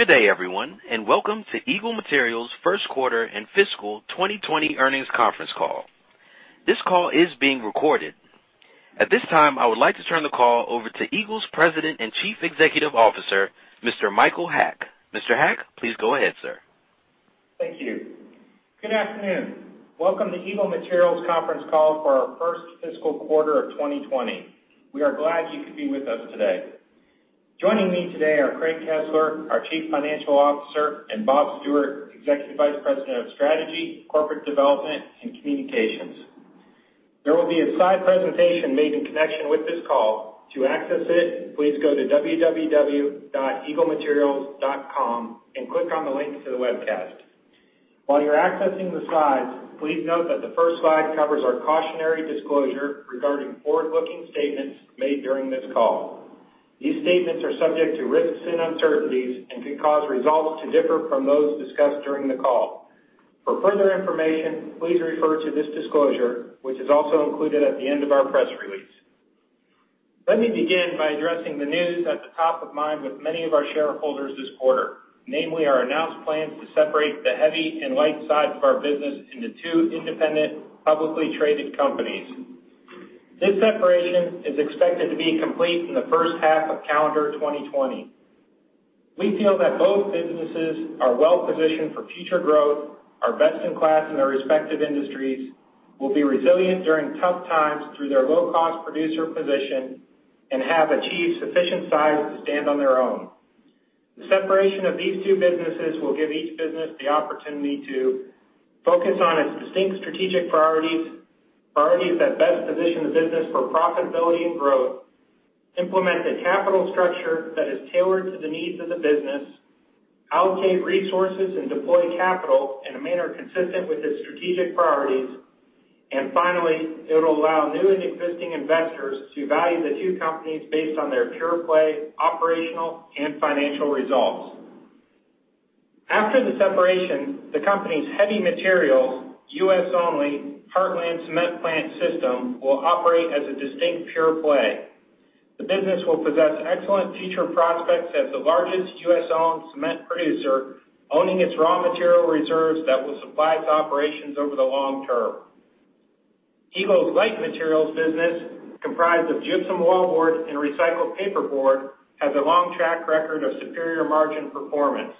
Good day, everyone, and welcome to Eagle Materials' first quarter and fiscal 2020 earnings conference call. This call is being recorded. At this time, I would like to turn the call over to Eagle's President and Chief Executive Officer, Mr. Michael Haack. Mr. Haack, please go ahead, sir. Thank you. Good afternoon. Welcome to Eagle Materials conference call for our first fiscal quarter of 2020. We are glad you could be with us today. Joining me today are Craig Kesler, our Chief Financial Officer, and Bob Stewart, Executive Vice President of Strategy, Corporate Development, and Communications. There will be a slide presentation made in connection with this call. To access it, please go to www.eaglematerials.com and click on the link to the webcast. While you're accessing the slides, please note that the first slide covers our cautionary disclosure regarding forward-looking statements made during this call. These statements are subject to risks and uncertainties and could cause results to differ from those discussed during the call. For further information, please refer to this disclosure, which is also included at the end of our press release. Let me begin by addressing the news at the top of mind with many of our shareholders this quarter, namely our announced plans to separate the heavy and light sides of our business into two independent, publicly traded companies. This separation is expected to be complete in the first half of calendar 2020. We feel that both businesses are well-positioned for future growth, are best in class in their respective industries, will be resilient during tough times through their low-cost producer position, and have achieved sufficient size to stand on their own. The separation of these two businesses will give each business the opportunity to focus on its distinct strategic priorities that best position the business for profitability and growth, implement a capital structure that is tailored to the needs of the business, allocate resources and deploy capital in a manner consistent with its strategic priorities, and finally, it'll allow new and existing investors to value the two companies based on their pure play, operational, and financial results. After the separation, the company's Heavy Materials, US only, Heartland cement plant system will operate as a distinct pure play. The business will possess excellent future prospects as the largest US-owned cement producer, owning its raw material reserves that will supply its operations over the long term. Eagle's Light Materials business, comprised of gypsum wallboard and recycled paperboard, has a long track record of superior margin performance.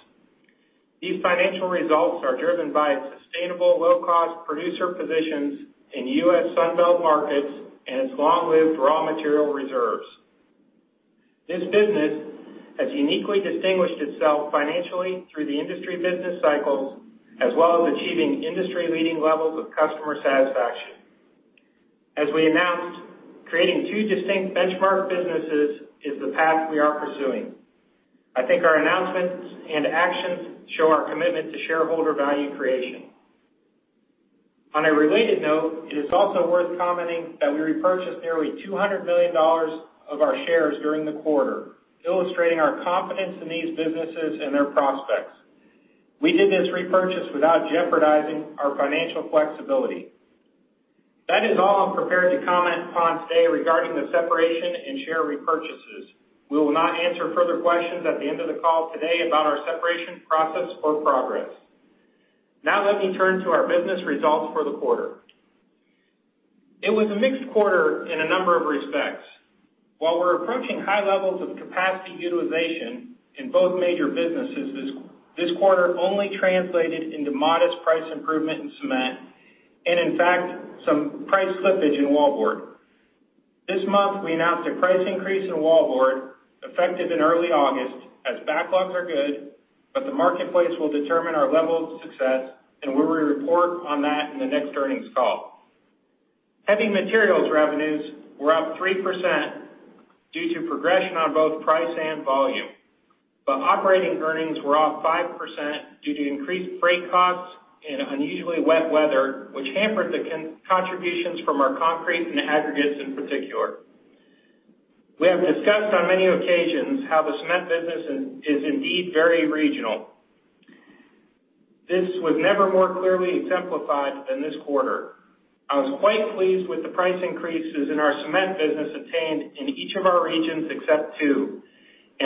These financial results are driven by its sustainable low-cost producer positions in U.S. Sun Belt markets and its long-lived raw material reserves. This business has uniquely distinguished itself financially through the industry business cycles, as well as achieving industry-leading levels of customer satisfaction. As we announced, creating two distinct benchmark businesses is the path we are pursuing. I think our announcements and actions show our commitment to shareholder value creation. On a related note, it is also worth commenting that we repurchased nearly $200 million of our shares during the quarter, illustrating our confidence in these businesses and their prospects. We did this repurchase without jeopardizing our financial flexibility. That is all I'm prepared to comment upon today regarding the separation and share repurchases. We will not answer further questions at the end of the call today about our separation process or progress. Now let me turn to our business results for the quarter. It was a mixed quarter in a number of respects. While we're approaching high levels of capacity utilization in both major businesses, this quarter only translated into modest price improvement in cement, and in fact, some price slippage in wallboard. This month, we announced a price increase in wallboard effective in early August as backlogs are good, but the marketplace will determine our level of success, and we will report on that in the next earnings call. Heavy materials revenues were up 3% due to progression on both price and volume. Operating earnings were off 5% due to increased freight costs and unusually wet weather, which hampered the contributions from our concrete and aggregates in particular. We have discussed on many occasions how the cement business is indeed very regional. This was never more clearly exemplified than this quarter. I was quite pleased with the price increases in our cement business attained in each of our regions except two.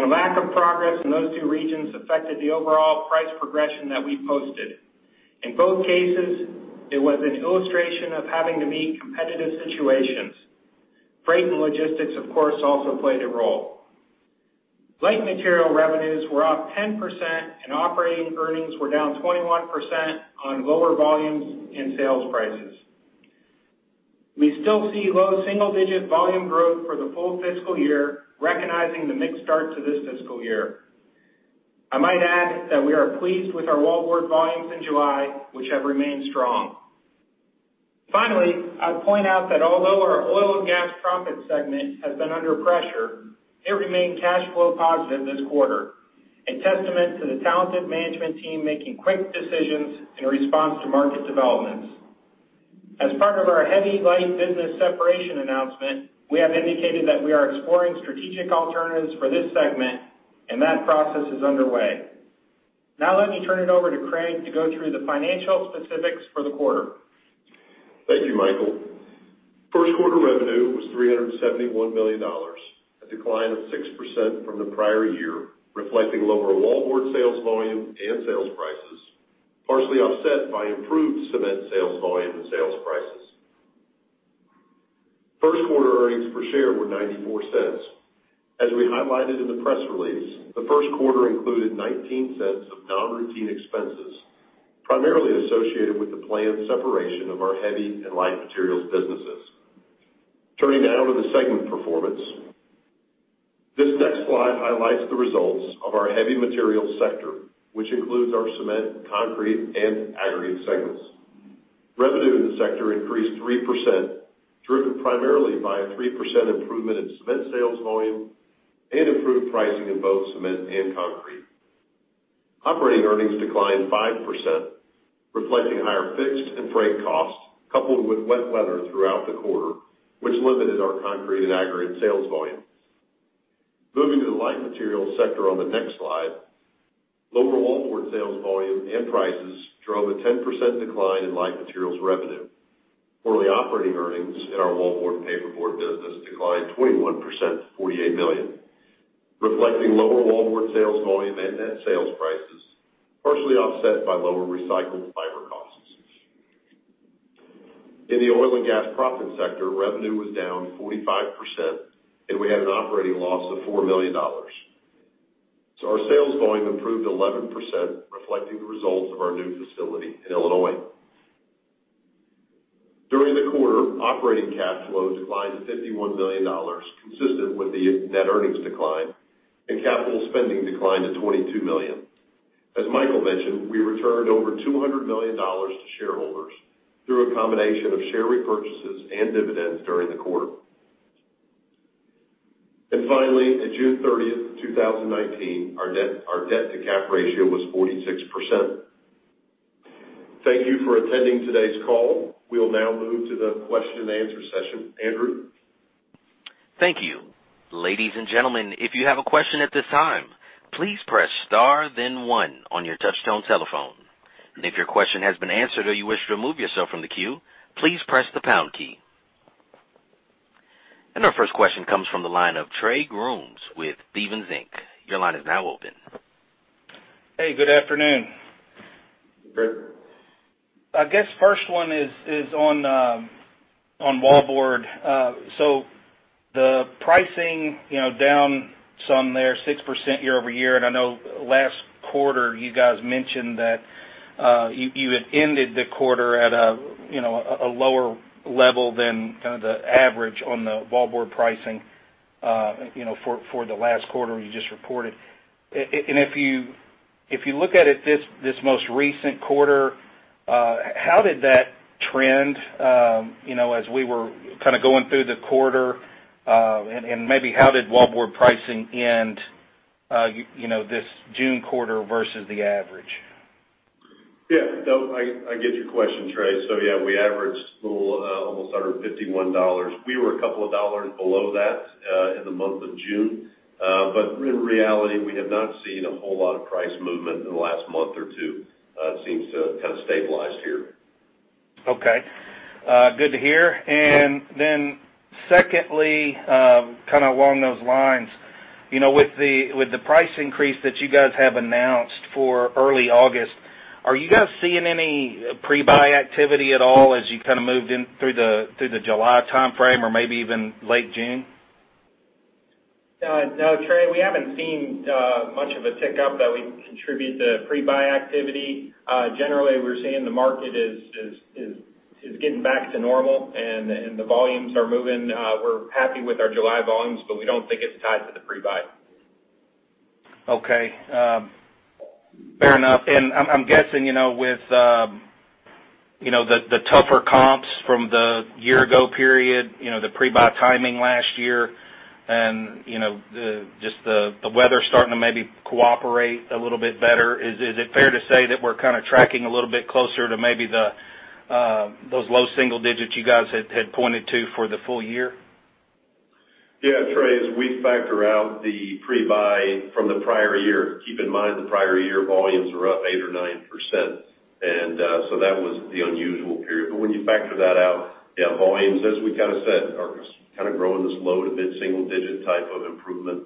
Lack of progress in those two regions affected the overall price progression that we posted. In both cases, it was an illustration of having to meet competitive situations. Freight and logistics, of course, also played a role. Light Materials revenues were up 10%. Operating earnings were down 21% on lower volumes and sales prices. We still see low single-digit volume growth for the full fiscal year, recognizing the mixed start to this fiscal year. I might add that we are pleased with our wallboard volumes in July, which have remained strong. Finally, I'd point out that although our oil and gas proppant segment has been under pressure, it remained cash flow positive this quarter, a testament to the talented management team making quick decisions in response to market developments. As part of our heavy light business separation announcement, we have indicated that we are exploring strategic alternatives for this segment, and that process is underway. Let me turn it over to Craig to go through the financial specifics for the quarter. Thank you, Michael. First quarter revenue was $371 million, a decline of 6% from the prior year, reflecting lower wallboard sales volume and sales prices, partially offset by improved cement sales volume and sales prices. First quarter earnings per share were $0.94. As we highlighted in the press release, the first quarter included $0.19 of non-routine expenses, primarily associated with the planned separation of our heavy and light materials businesses. Turning now to the segment performance. This next slide highlights the results of our heavy materials sector, which includes our cement, concrete, and aggregates segments. Revenue in the sector increased 3%, driven primarily by a 3% improvement in cement sales volume and improved pricing in both cement and concrete. Operating earnings declined 5%, reflecting higher fixed and freight costs, coupled with wet weather throughout the quarter, which limited our concrete and aggregates sales volume. Moving to the light materials sector on the next slide, lower wallboard sales volume and prices drove a 10% decline in light materials revenue. Quarterly operating earnings in our wallboard and paperboard business declined 21% to $48 million, reflecting lower wallboard sales volume and net sales prices, partially offset by lower recycled fiber costs. In the oil and gas proppant sector, revenue was down 45%, and we had an operating loss of $4 million. Our sales volume improved 11%, reflecting the results of our new facility in Illinois. During the quarter, operating cash flow declined to $51 million, consistent with the net earnings decline, and capital spending declined to $22 million. As Michael mentioned, we returned over $200 million to shareholders through a combination of share repurchases and dividends during the quarter. Finally, at June 30th, 2019, our debt to cap ratio was 46%. Thank you for attending today's call. We will now move to the question and answer session. Andrew? Thank you. Ladies and gentlemen, if you have a question at this time, please press star then one on your touchtone telephone. If your question has been answered or you wish to remove yourself from the queue, please press the pound key. Our first question comes from the line of Trey Grooms with Stephens Inc. Your line is now open. Hey, good afternoon. Good. I guess first one is on wallboard. The pricing down some there, 6% year-over-year, and I know last quarter you guys mentioned that you had ended the quarter at a lower level than the average on the wallboard pricing for the last quarter you just reported. If you look at it this most recent quarter, how did that trend as we were going through the quarter? Maybe how did wallboard pricing end this June quarter versus the average? Yeah. No, I get your question, Trey. Yeah, we averaged a little almost $151. We were a couple of dollars below that in the month of June. In reality, we have not seen a whole lot of price movement in the last month or two. It seems to have stabilized here. Okay. Good to hear. Secondly, along those lines, with the price increase that you guys have announced for early August, are you guys seeing any pre-buy activity at all as you moved in through the July timeframe or maybe even late June? No, Trey, we haven't seen much of a tick up that we contribute to pre-buy activity. Generally, we're seeing the market is getting back to normal, and the volumes are moving. We're happy with our July volumes, but we don't think it's tied to the pre-buy. Okay. Fair enough. I'm guessing, with the tougher comps from the year ago period, the pre-buy timing last year, and just the weather starting to maybe cooperate a little bit better, is it fair to say that we're tracking a little bit closer to maybe those low single digits you guys had pointed to for the full year? Trey, as we factor out the pre-buy from the prior year, keep in mind the prior year volumes were up eight or nine%. That was the unusual period. When you factor that out, yeah, volumes, as we kind of said, are kind of growing this low to mid-single-digit type of improvement.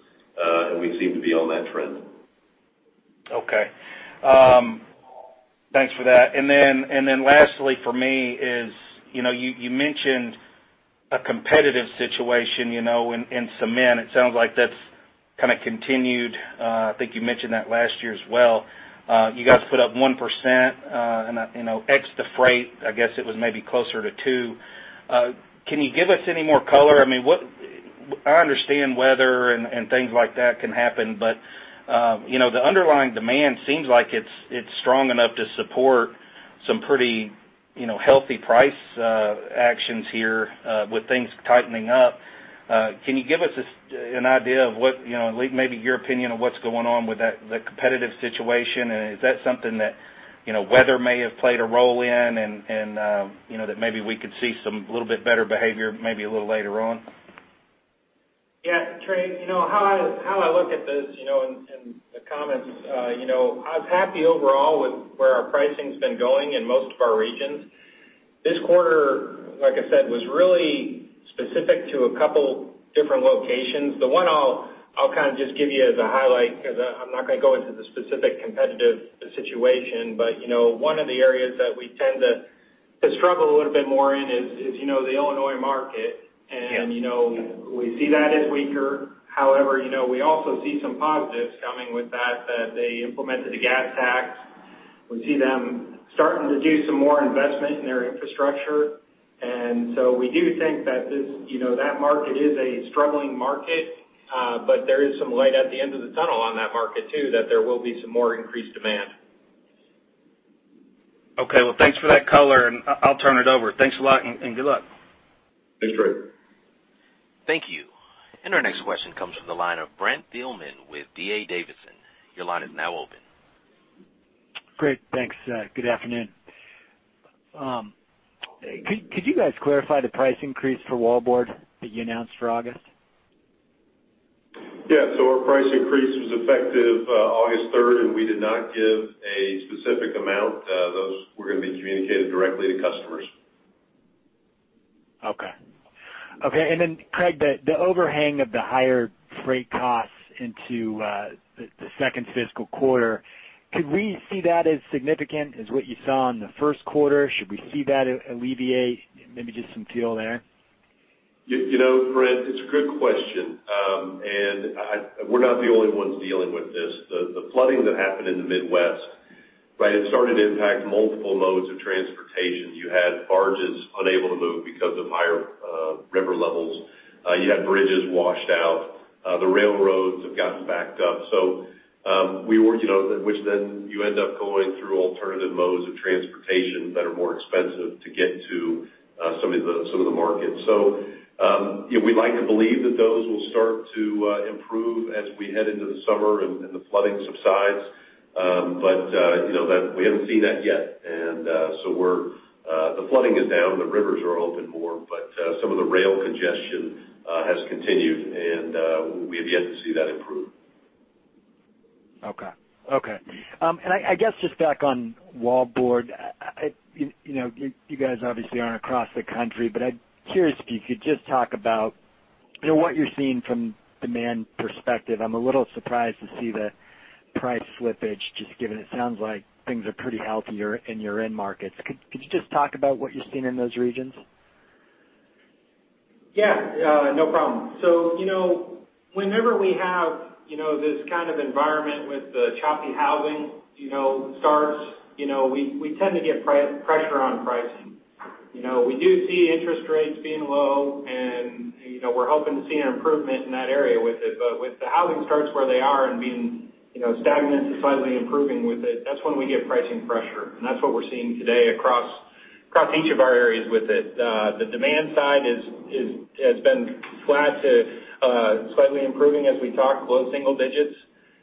We seem to be on that trend. Okay. Thanks for that. Lastly for me is, you mentioned a competitive situation in cement. It sounds like that's kind of continued. I think you mentioned that last year as well. You guys put up 1%, and ex the freight, I guess it was maybe closer to two. Can you give us any more color? I understand weather and things like that can happen, but the underlying demand seems like it's strong enough to support some pretty healthy price actions here with things tightening up. Can you give us an idea of maybe your opinion on what's going on with that competitive situation, and is that something that weather may have played a role in, and that maybe we could see some little bit better behavior, maybe a little later on? Yes, Trey, how I look at this in the comments, I was happy overall with where our pricing's been going in most of our regions. This quarter, like I said, was really specific to a couple different locations. The one I'll kind of just give you as a highlight, because I'm not going to go into the specific competitive situation, but one of the areas that we tend to struggle a little bit more in is the Illinois market. Yeah. We see that as weaker. However, we also see some positives coming with that they implemented a gas tax. We see them starting to do some more investment in their infrastructure. We do think that market is a struggling market, but there is some light at the end of the tunnel on that market, too, that there will be some more increased demand. Okay. Well, thanks for that color, and I'll turn it over. Thanks a lot, and good luck. Thanks, Trey. Thank you. Our next question comes from the line of Brent Thielman with D.A. Davidson. Your line is now open. Great, thanks. Good afternoon. Could you guys clarify the price increase for wallboard that you announced for August? Yeah. Our price increase was effective August 3rd, and we did not give a specific amount. Those were going to be communicated directly to customers. Okay. Craig, the overhang of the higher freight costs into the second fiscal quarter, could we see that as significant as what you saw in the first quarter? Should we see that alleviate? Maybe just some feel there. Brent, it's a good question. We're not the only ones dealing with this. The flooding that happened in the Midwest, it started to impact multiple modes of transportation. You had barges unable to move because of higher river levels. You had bridges washed out. The railroads have gotten backed up. You end up going through alternative modes of transportation that are more expensive to get to some of the markets. We'd like to believe that those will start to improve as we head into the summer and the flooding subsides. We haven't seen that yet. The flooding is down, the rivers are open more, but some of the rail congestion has continued, and we have yet to see that improve. Okay. I guess just back on wallboard. You guys obviously aren't across the country, but I'm curious if you could just talk about what you're seeing from demand perspective. I'm a little surprised to see the price slippage, just given it sounds like things are pretty healthy in your end markets. Could you just talk about what you're seeing in those regions? Yeah. No problem. Whenever we have this kind of environment with the choppy housing starts, we tend to get pressure on pricing. We do see interest rates being low, and we're hoping to see an improvement in that area with it. With the housing starts where they are and being stagnant to slightly improving with it, that's when we get pricing pressure. That's what we're seeing today across each of our areas with it. The demand side has been flat to slightly improving as we talk low single digits.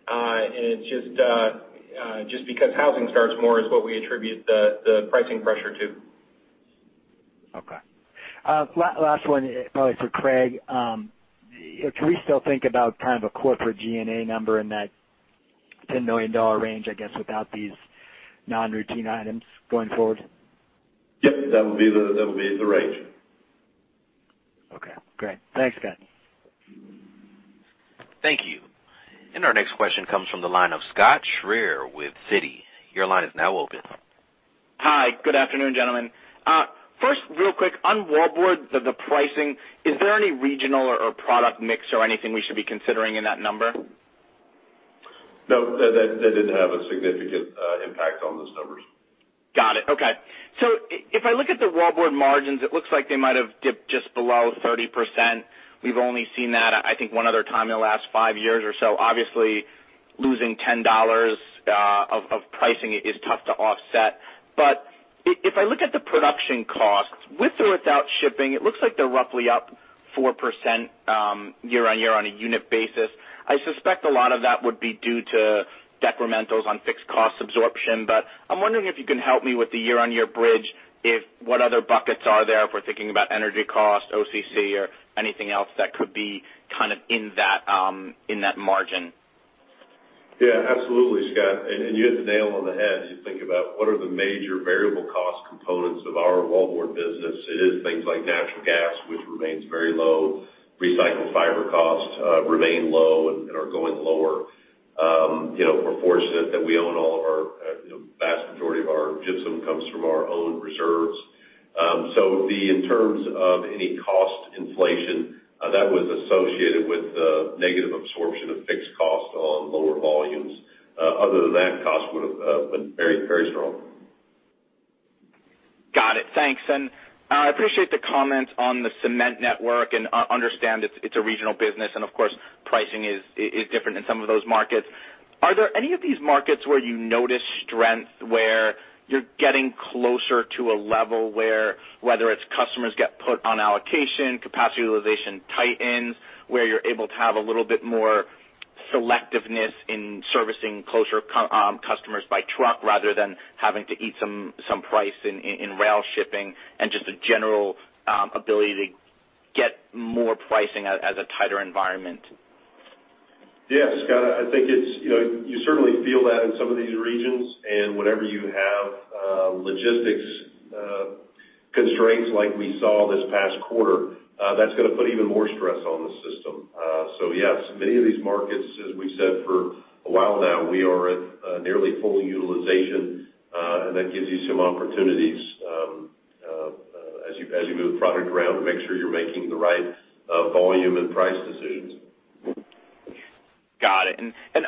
It's just because housing starts more is what we attribute the pricing pressure to. Okay. Last one, probably for Craig. Can we still think about kind of a corporate G&A number in that $10 million range, I guess, without these non-routine items going forward? Yep, that would be the range. Okay, great. Thanks. Thank you. Our next question comes from the line of Scott Schrier with Citi. Your line is now open. Hi, good afternoon, gentlemen. First, real quick, on wallboard, the pricing, is there any regional or product mix or anything we should be considering in that number? No, that didn't have a significant impact on those numbers. Got it, okay. If I look at the wallboard margins, it looks like they might have dipped just below 30%. We've only seen that, I think, one other time in the last five years or so. Obviously, losing $10 of pricing is tough to offset. If I look at the production costs, with or without shipping, it looks like they're roughly up 4% year-on-year on a unit basis. I suspect a lot of that would be due to decrementals on fixed cost absorption. I'm wondering if you can help me with the year-on-year bridge, what other buckets are there if we're thinking about energy cost, OCC, or anything else that could be kind of in that margin? Yeah, absolutely, Scott. You hit the nail on the head. You think about what are the major variable cost components of our wallboard business. It is things like natural gas, which remains very low. Recycled fiber costs remain low and are going lower. We're fortunate that vast majority of our gypsum comes from our own reserves. In terms of any cost inflation, that was associated with negative absorption of fixed cost on lower volumes. Other than that, cost would've been very strong. Got it, thanks. I appreciate the comments on the cement network and understand it's a regional business and of course, pricing is different in some of those markets. Are there any of these markets where you notice strength, where you're getting closer to a level where, whether it's customers get put on allocation, capacity utilization tightens, where you're able to have a little bit more selectiveness in servicing closer customers by truck rather than having to eat some price in rail shipping, and just a general ability to get more pricing as a tighter environment? Yeah, Scott, I think you certainly feel that in some of these regions. Whenever you have logistics constraints like we saw this past quarter, that's going to put even more stress on the system. Yes, many of these markets, as we said for a while now, we are at nearly full utilization, and that gives you some opportunities as you move product around to make sure you're making the right volume and price decisions. Got it.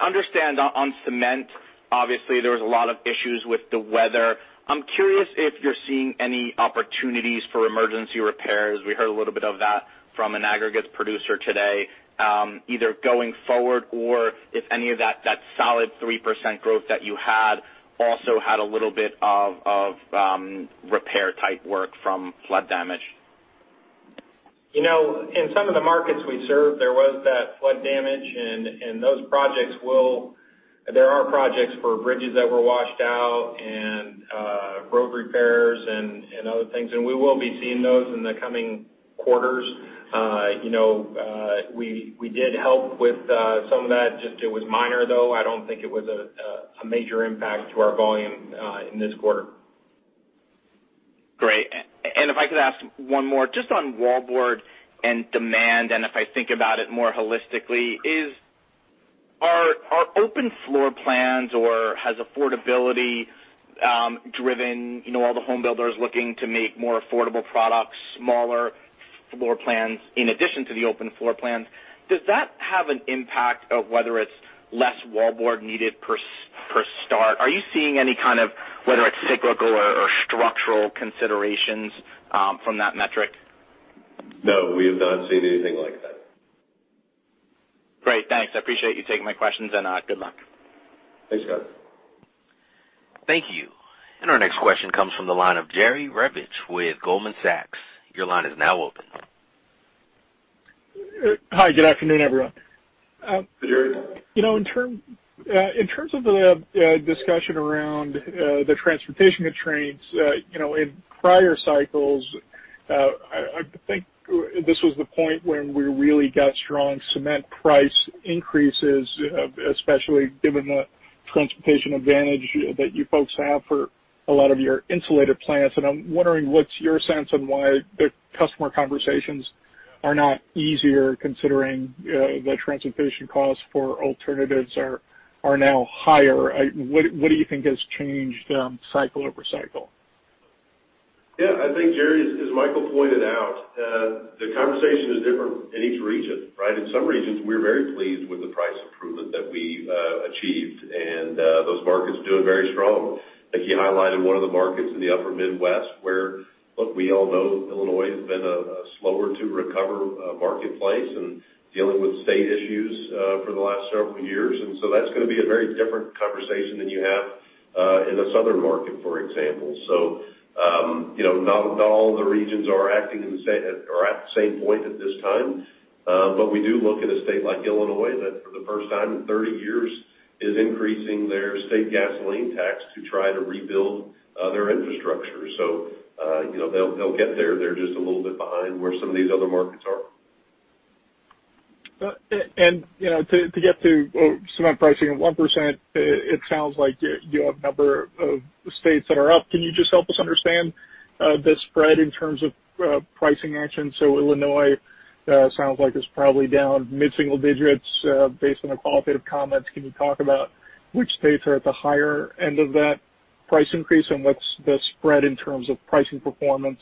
Understand on cement, obviously, there was a lot of issues with the weather. I'm curious if you're seeing any opportunities for emergency repairs. We heard a little bit of that from an aggregates producer today, either going forward or if any of that solid 3% growth that you had also had a little bit of repair type work from flood damage. In some of the markets we serve, there was that flood damage, and there are projects for bridges that were washed out and road repairs and other things, and we will be seeing those in the coming quarters. We did help with some of that. It was minor, though. I don't think it was a major impact to our volume in this quarter. Great. If I could ask one more, just on wallboard and demand, and if I think about it more holistically, are open floor plans or has affordability driven all the home builders looking to make more affordable products, smaller floor plans in addition to the open floor plans? Does that have an impact of whether it's less wallboard needed per start? Are you seeing any kind of, whether it's cyclical or structural considerations from that metric? No, we have not seen anything like that. Great. Thanks. I appreciate you taking my questions and good luck. Thanks, Scott. Thank you. Our next question comes from the line of Jerry Revich with Goldman Sachs. Your line is now open. Hi. Good afternoon, everyone. Jerry. In terms of the discussion around the transportation constraints, in prior cycles, I think this was the point when we really got strong cement price increases, especially given the transportation advantage that you folks have for a lot of your insulated plants. I'm wondering what's your sense on why the customer conversations are not easier, considering the transportation costs for alternatives are now higher. What do you think has changed cycle over cycle? Yeah, I think, Jerry, as Michael pointed out, the conversation is different in each region, right? In some regions, we're very pleased with the price improvement that we achieved, and those markets are doing very strong. I think he highlighted one of the markets in the upper Midwest, where, look, we all know Illinois has been a slower-to-recover marketplace and dealing with state issues for the last several years. That's going to be a very different conversation than you have in a southern market, for example. Not all the regions are at the same point at this time. We do look at a state like Illinois that, for the first time in 30 years, is increasing their state gasoline tax to try to rebuild their infrastructure. They'll get there. They're just a little bit behind where some of these other markets are. To get to cement pricing at 1%, it sounds like you have a number of states that are up. Can you just help us understand the spread in terms of pricing action? Illinois sounds like it's probably down mid-single digits based on the qualitative comments. Can you talk about which states are at the higher end of that price increase and what's the spread in terms of pricing performance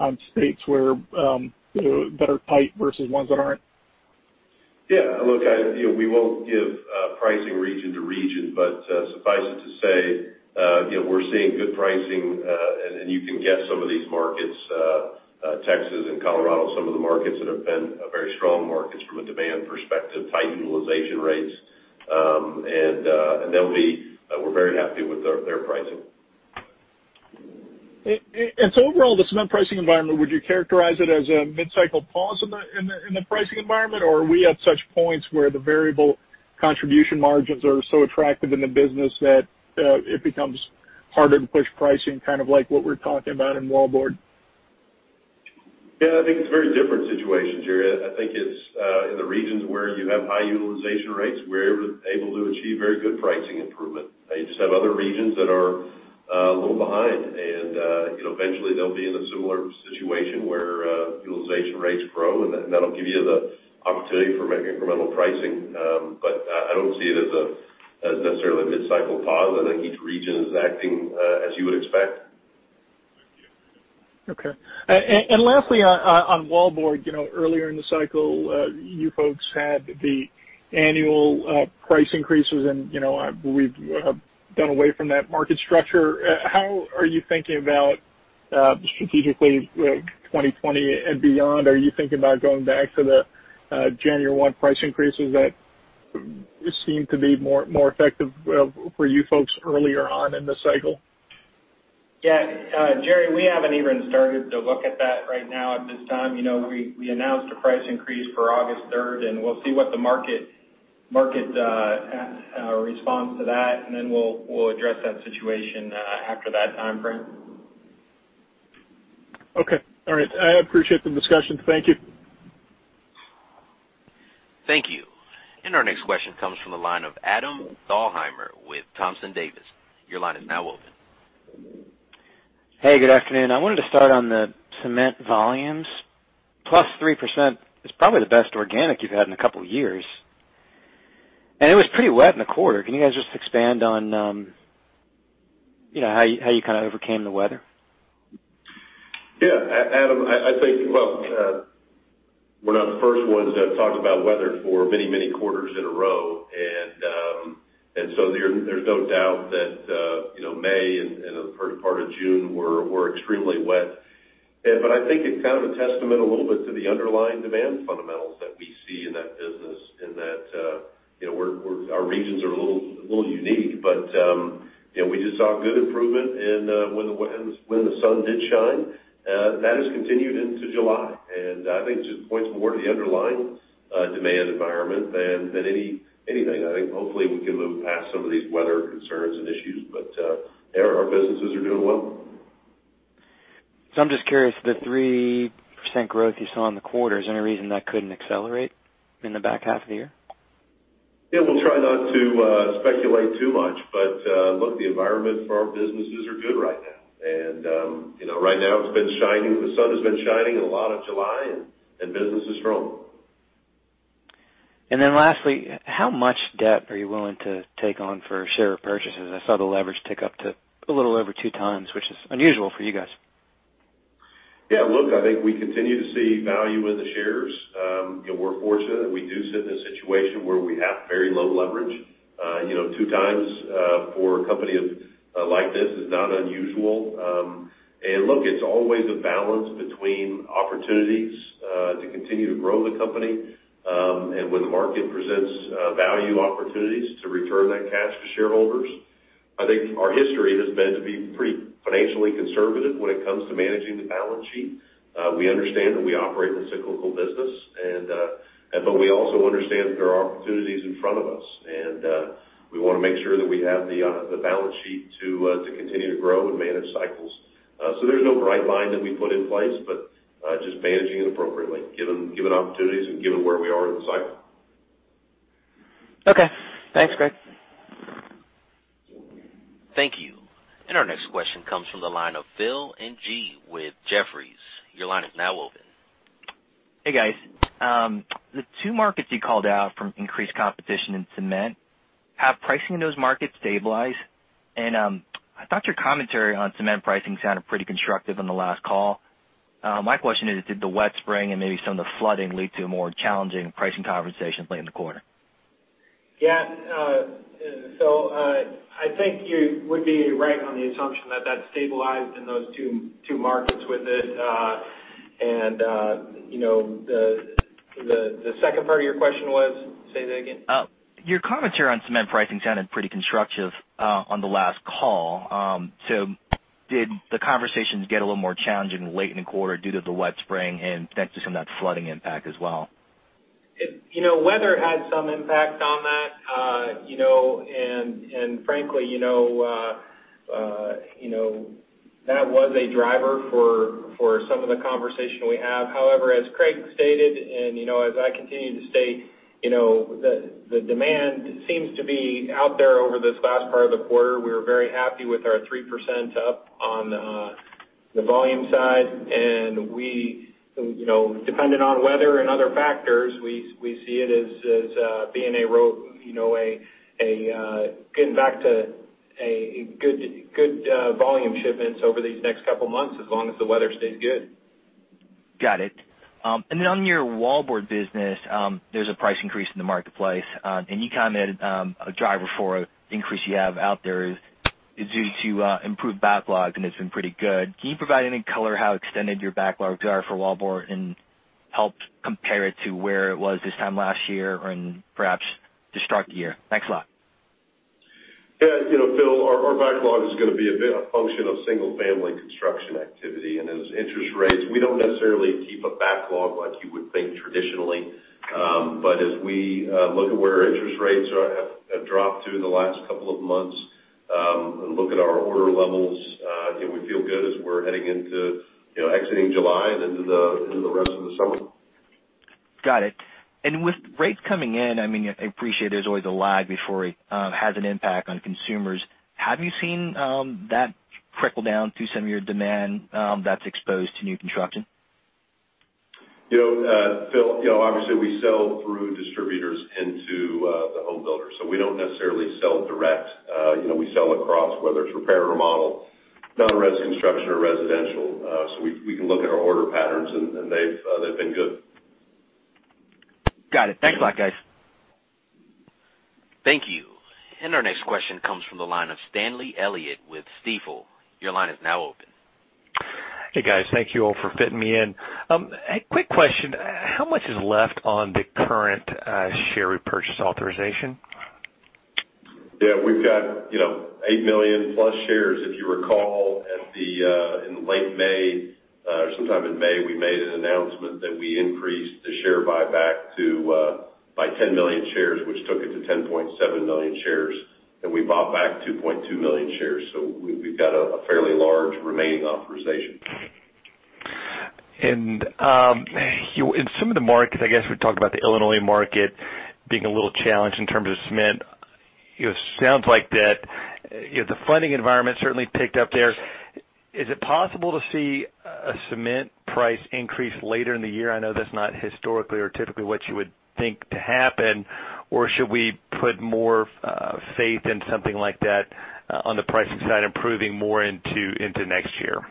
on states that are tight versus ones that aren't? Yeah. Look, we won't give pricing region to region, but suffice it to say, we're seeing good pricing, and you can guess some of these markets, Texas and Colorado, some of the markets that have been very strong markets from a demand perspective, tight utilization rates. We're very happy with their pricing. Overall, the cement pricing environment, would you characterize it as a mid-cycle pause in the pricing environment, or are we at such points where the variable contribution margins are so attractive in the business that it becomes harder to push pricing, kind of like what we're talking about in wallboard? Yeah, I think it's very different situations, Jerry. I think in the regions where you have high utilization rates, we're able to achieve very good pricing improvement. You just have other regions that are a little behind, and eventually, they'll be in a similar situation where utilization rates grow, and that'll give you the opportunity for maybe incremental pricing. I don't see it as necessarily a mid-cycle pause. I think each region is acting as you would expect. Okay. Lastly, on wallboard, earlier in the cycle, you folks had the annual price increases, and I believe done away from that market structure. How are you thinking about strategically 2020 and beyond? Are you thinking about going back to the January 1 price increases that seem to be more effective for you folks earlier on in the cycle? Yeah. Jerry, we haven't even started to look at that right now at this time. We'll see what the market responds to that, and then we'll address that situation after that timeframe. Okay. All right. I appreciate the discussion. Thank you. Thank you. Our next question comes from the line of Adam Thalhimer with Thompson Davis. Your line is now open. Hey, good afternoon. I wanted to start on the cement volumes. Plus 3% is probably the best organic you've had in a couple of years. It was pretty wet in the quarter. Can you guys just expand on how you overcame the weather? Yeah. Adam, I think, well, we're not the first ones to have talked about weather for many, many quarters in a row. There's no doubt that May and the first part of June were extremely wet. I think it's kind of a testament a little bit to the underlying demand fundamentals that we see in that business, in that our regions are a little unique. We just saw good improvement when the sun did shine. That has continued into July, and I think just points more to the underlying demand environment than anything. I think hopefully we can move past some of these weather concerns and issues, but our businesses are doing well. I'm just curious, the 3% growth you saw in the quarter, is there any reason that couldn't accelerate in the back half of the year? Yeah, we'll try not to speculate too much. Look, the environment for our businesses are good right now. Right now the sun has been shining a lot of July, and business is strong. Lastly, how much debt are you willing to take on for share purchases? I saw the leverage tick up to a little over two times, which is unusual for you guys. Yeah, look, I think we continue to see value in the shares. We're fortunate that we do sit in a situation where we have very low leverage. Two times for a company like this is not unusual. Look, it's always a balance between opportunities to continue to grow the company, and when the market presents value opportunities to return that cash to shareholders. I think our history has been to be pretty financially conservative when it comes to managing the balance sheet. We understand that we operate in a cyclical business, but we also understand that there are opportunities in front of us, and we want to make sure that we have the balance sheet to continue to grow and manage cycles. There's no bright line that we put in place, but just managing it appropriately, given opportunities and given where we are in the cycle. Okay. Thanks, Craig. Thank you. Our next question comes from the line of Phil Ng with Jefferies. Your line is now open. Hey, guys. The two markets you called out from increased competition in cement, have pricing in those markets stabilized? I thought your commentary on cement pricing sounded pretty constructive on the last call. My question is, did the wet spring and maybe some of the flooding lead to a more challenging pricing conversation late in the quarter? Yeah. I think you would be right on the assumption that that stabilized in those two markets with it. The second part of your question was? Say that again. Your commentary on cement pricing sounded pretty constructive on the last call. Did the conversations get a little more challenging late in the quarter due to the wet spring and thanks to some of that flooding impact as well? Weather had some impact on that. Frankly, that was a driver for some of the conversation we have. However, as Craig stated and as I continue to state, the demand seems to be out there over this last part of the quarter. We were very happy with our 3% up on the volume side, and depending on weather and other factors, we see it as getting back to good volume shipments over these next couple of months, as long as the weather stays good. Got it. Then on your wallboard business, there's a price increase in the marketplace. You commented a driver for increase you have out there is due to improved backlog, and it's been pretty good. Can you provide any color how extended your backlogs are for wallboard, and help compare it to where it was this time last year and perhaps the start of the year? Thanks a lot. Yeah, Phil, our backlog is going to be a bit a function of single-family construction activity. As interest rates, we don't necessarily keep a backlog like you would think traditionally. As we look at where interest rates have dropped to in the last couple of months, and look at our order levels, we feel good as we're exiting July and into the rest of the summer. Got it. With rates coming in, I appreciate there's always a lag before it has an impact on consumers. Have you seen that trickle down to some of your demand that's exposed to new construction? Phil, obviously we sell through distributors into the home builders, so we don't necessarily sell direct. We sell across, whether it's repair or remodel, non-res construction or residential. We can look at our order patterns, and they've been good. Got it. Thanks a lot, guys. Thank you. Our next question comes from the line of Stanley Elliott with Stifel. Your line is now open. Hey guys, thank you all for fitting me in. A quick question. How much is left on the current share repurchase authorization? We've got 8 million plus shares. If you recall, in late May, or sometime in May, we made an announcement that we increased the share buyback by 10 million shares, which took it to 10.7 million shares, and we bought back 2.2 million shares. We've got a fairly large remaining authorization. In some of the markets, I guess we talked about the Illinois market being a little challenged in terms of cement. It sounds like that the funding environment certainly picked up there. Is it possible to see a cement price increase later in the year? I know that's not historically or typically what you would think to happen, or should we put more faith in something like that on the pricing side improving more into next year?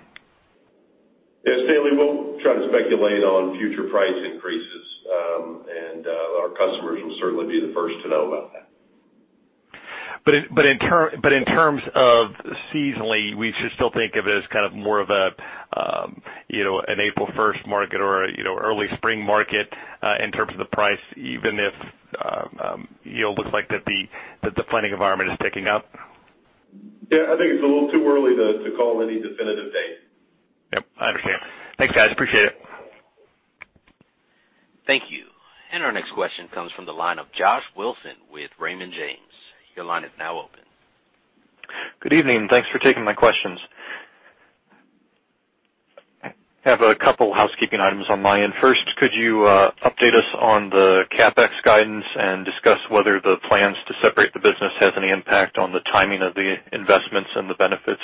Yes, Stanley, we won't try to speculate on future price increases. Our customers will certainly be the first to know about that. In terms of seasonally, we should still think of it as kind of more of an April 1st market or early spring market in terms of the price, even if it looks like that the planning environment is picking up? I think it's a little too early to call any definitive dates. Yep, I understand. Thanks, guys. Appreciate it. Thank you. Our next question comes from the line of Josh Wilson with Raymond James. Your line is now open. Good evening. Thanks for taking my questions. I have a couple housekeeping items on my end. First, could you update us on the CapEx guidance and discuss whether the plans to separate the business has any impact on the timing of the investments and the benefits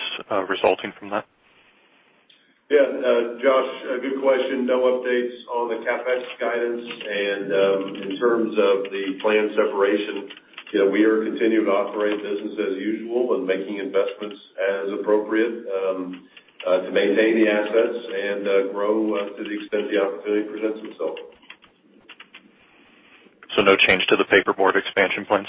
resulting from that? Yeah. Josh, good question. No updates on the CapEx guidance, and in terms of the plan separation, we are continuing to operate business as usual and making investments as appropriate to maintain the assets and grow to the extent the opportunity presents itself. No change to the paperboard expansion plans?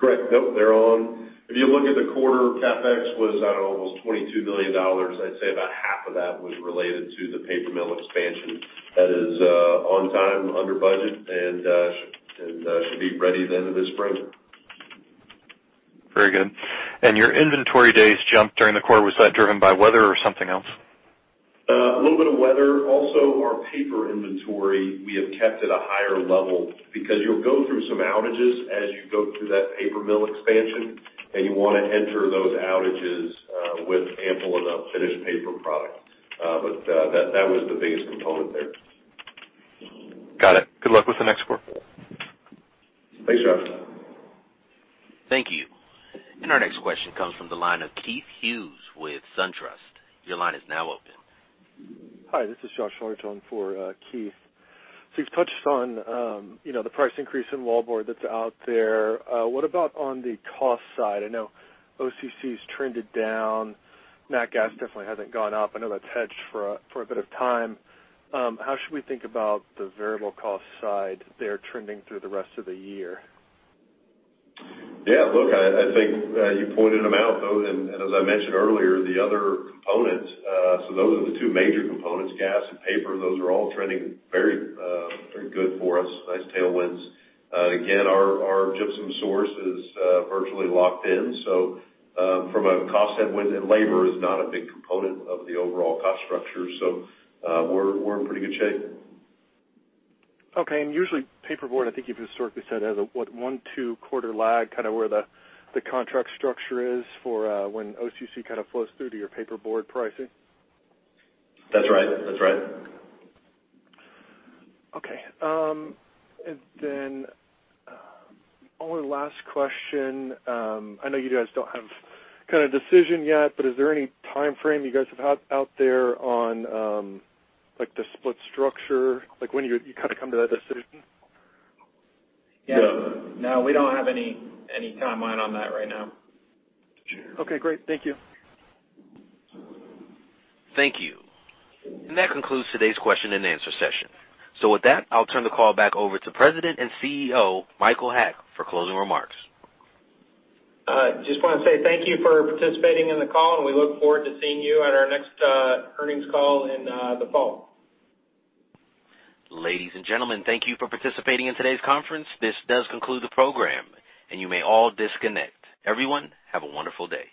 Correct. Nope, they're on. If you look at the quarter, CapEx was at almost $22 billion. I'd say about half of that was related to the paper mill expansion. That is on time, under budget, and should be ready at the end of this spring. Very good. Your inventory days jumped during the quarter. Was that driven by weather or something else? A little bit of weather. Our paper inventory we have kept at a higher level because you'll go through some outages as you go through that paper mill expansion, and you want to enter those outages with ample enough finished paper product. That was the biggest component there. Got it. Good luck with the next quarter. Thanks, Josh. Thank you. Our next question comes from the line of Keith Hughes with SunTrust. Your line is now open. Hi, this is Josh Hardton for Keith. You've touched on the price increase in wallboard that's out there. What about on the cost side? I know OCC has trended down. Nat gas definitely hasn't gone up. I know that's hedged for a bit of time. How should we think about the variable cost side there trending through the rest of the year? Yeah, look, I think you pointed them out, though, and as I mentioned earlier, the other components, so those are the two major components, gas and paper. Those are all trending very good for us. Nice tailwinds. Again, our gypsum source is virtually locked in. From a cost headwind, and labor is not a big component of the overall cost structure, so we're in pretty good shape. Okay. Usually recycled paperboard, I think you've historically said has a, what? one, two-quarter lag, kind of where the contract structure is for when OCC kind of flows through to your recycled paperboard pricing? That's right. Okay. Only last question. I know you guys don't have kind of decision yet. Is there any timeframe you guys have out there on the split structure? Like when you kind of come to that decision? No. No, we don't have any timeline on that right now. Okay, great. Thank you. Thank you. That concludes today's question and answer session. With that, I'll turn the call back over to President and CEO, Michael Haack, for closing remarks. I just want to say thank you for participating in the call, and we look forward to seeing you at our next earnings call in the fall. Ladies and gentlemen, thank you for participating in today's conference. This does conclude the program, and you may all disconnect. Everyone, have a wonderful day.